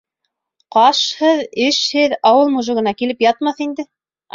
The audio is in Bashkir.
Ҡашһыҙ, эшһеҙ ауыл мужигына килеп ятмаҫ инде.